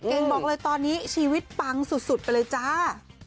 บอกเลยตอนนี้ชีวิตปังสุดไปเลยจ้า